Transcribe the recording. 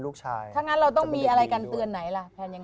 ก็ต้องปีกุล